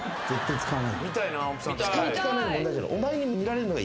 使う使わないの問題じゃない。